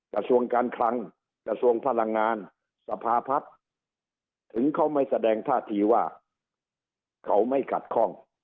กระทรวงการคลังกระทรวงพลังงานสภาพัฒน์ถึงเขาไม่แสดงท่าทีว่าเขาไม่ขัดข้อง